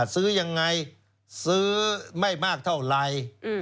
ซื้อยังไงซื้อไม่มากเท่าไร